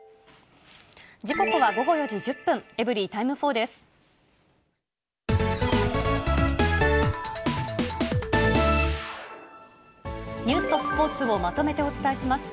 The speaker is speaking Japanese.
時刻は午後４時１０分、エブリィタイム４です。